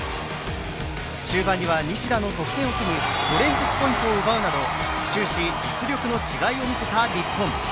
中盤には西田の得点を機に５連続ポイントを奪うなど終始、実力の違いを見せた日本。